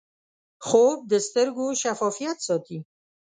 خوب د سترګو شفافیت ساتي